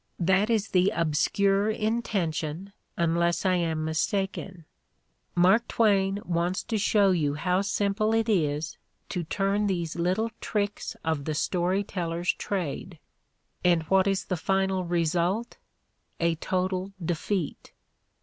That is the obscure intention, unless I am mistaken; Mark Twain wants to show you how simple it is to turn these little tricks of the story teller's trade. And what is the final result? A total defeat.